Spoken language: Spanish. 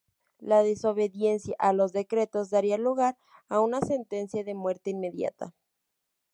La desobediencia a los decretos daría lugar a una sentencia de muerte inmediata.